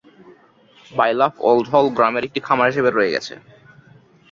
বাইলাফ Old Hall গ্রামের একটি খামার হিসেবে রয়ে গেছে।